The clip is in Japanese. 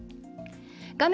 画面